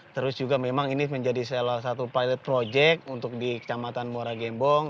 terus juga memang ini menjadi salah satu pilot project untuk di kecamatan muara gembong